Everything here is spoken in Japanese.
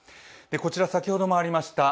こちら、先ほどもありました